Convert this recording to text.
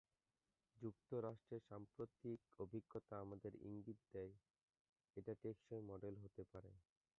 যুক্তরাষ্ট্রের সাম্প্রতিক অভিজ্ঞতা আমাদের ইঙ্গিত দেয়, এটা টেকসই মডেল হতে পারে।